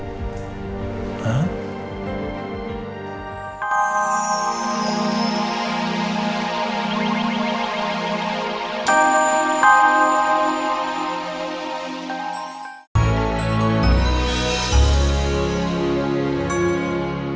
kalau book mata kita tadi terima tangan brute woi